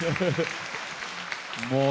もう。